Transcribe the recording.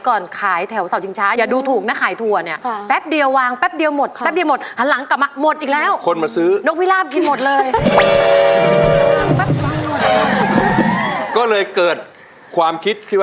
ก็เลยเกิดความคิดคิดว่าอ้าวแค่อย่างนั้น